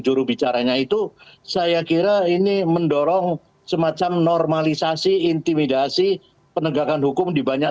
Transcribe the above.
jurubicaranya itu saya kira ini mendorong semacam normalisasi intimidasi penegakan hukum di banyak